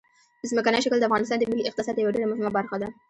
ځمکنی شکل د افغانستان د ملي اقتصاد یوه ډېره مهمه برخه ده.